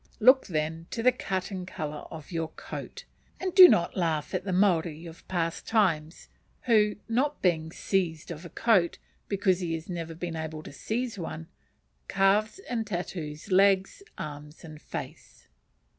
Look, then, to the cut and colour of your coat, and do not laugh at the Maori of past times, who, not being "seised" of a coat, because he has never been able to seize one, carves and tattoos legs, arms, and face.